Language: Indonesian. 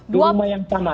di rumah yang sama